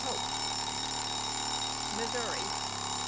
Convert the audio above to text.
Hope. Missouri, Sept.